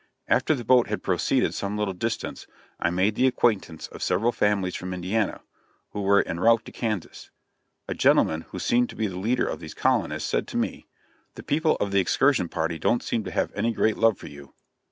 After the boat had proceeded some little distance, I made the acquaintance of several families from Indiana, who were en route to Kansas. A gentleman, who seemed to be the leader of these colonists, said to me, "The people of this excursion party don't seem to have any great love for you."